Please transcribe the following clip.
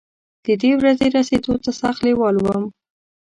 د دې ورځې رسېدو ته سخت لېوال وم.